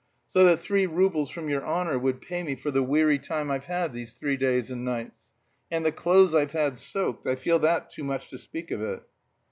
So that three roubles from your honour would pay me for the weary time I've had these three days and nights. And the clothes I've had soaked, I feel that too much to speak of it."